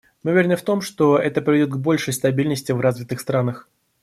Мы уверены в том, что это приведет к большей стабильности в развитых странах.